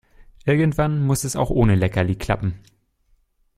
Irgendwann muss es auch ohne Leckerli klappen.